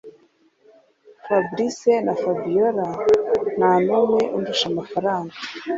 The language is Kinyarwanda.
Fabric na Fabiora ntanumwe undusha amafaranga